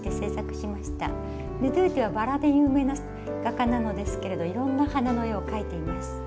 ルドゥーテはばらで有名な画家なのですけれどいろんな花の絵を描いています。